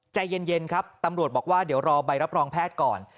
ใจเย็นครับตำรวจบอกว่าเดี๋ยวรอใบรับรองแพทย์ก่อน